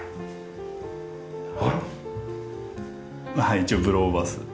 はい一応ブローバスで。